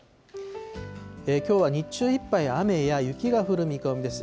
きょうは日中いっぱい雨や雪が降る見込みです。